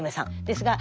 ですが